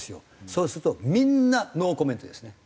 そうするとみんなノーコメントですね。